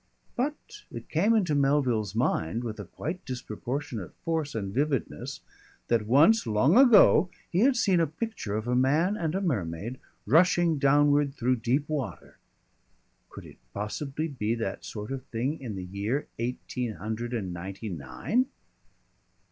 But it came into Melville's mind with a quite disproportionate force and vividness that once, long ago, he had seen a picture of a man and a mermaid, rushing downward through deep water.... Could it possibly be that sort of thing in the year eighteen hundred and ninety nine?